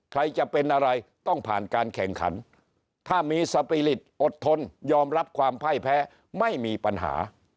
ใครจะเป็นอะไรต้องผ่านการแข่งขันถ้ามีสปีริตอดทนยอมรับความพ่ายแพ้ไม่มีปัญหา